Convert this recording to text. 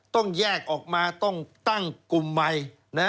ต้องแยกออกมาต้องตั้งกลุ่มใหม่